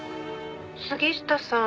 「杉下さん